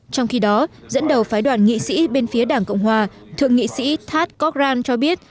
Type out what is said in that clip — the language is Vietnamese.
trong khi đó dẫn đầu phái đoàn nghị sĩ bên phía đảng cộng hòa thượng nghị sĩ tat kork ran cho biết